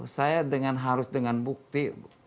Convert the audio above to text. saya dengan harus dengan bukti